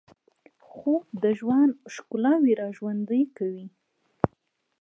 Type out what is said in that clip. خوب د ژوند ښکلاوې راژوندۍ کوي